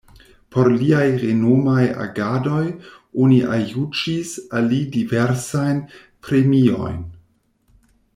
Por liaj renomaj agadoj oni aljuĝis al li diversajn premiojn.